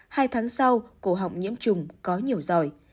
hai tháng sau cổ họng nhiễm trùng có nhiều giỏi